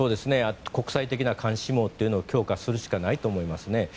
国際的な監視網というのを強化するしかないと思いますね。